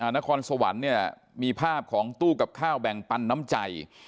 นครสวรรค์เนี่ยมีภาพของตู้กับข้าวแบ่งปันน้ำใจ